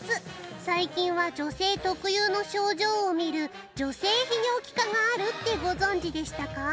最近は女性特有の症状を診る女性泌尿器科があるってご存じでしたか？